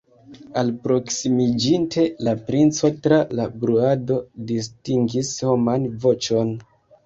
Alproksimiĝinte, la princo tra la bruado distingis homan voĉon.